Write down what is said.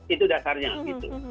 itu dasarnya gitu